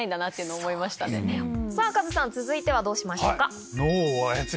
さぁカズさん続いてはどうしましょうか？